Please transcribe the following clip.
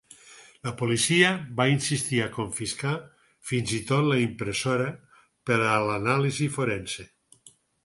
La policia va insistir a confiscar fins i tot la impressora per a l'anàlisi forense.